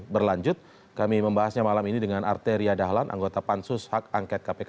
berlanjut kami membahasnya malam ini dengan arteria dahlan anggota pansus hak angket kpk